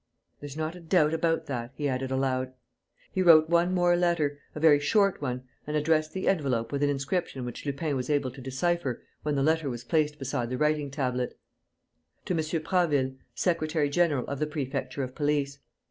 There's not a doubt about that," he added, aloud. He wrote one more letter, a very short one, and addressed the envelope with an inscription which Lupin was able to decipher when the letter was placed beside the writing tablet: "To Monsieur Prasville, Secretary general of the Prefecture of Police."